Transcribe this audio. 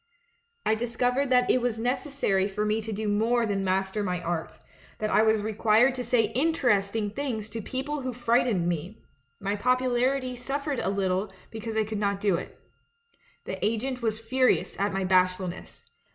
I discovered that it was necessary for me to do more than master my art — that I was required to say inter esting things to people who frightened me; my popularity suffered a little because I could not do it. The agent was furious at my bashfulness.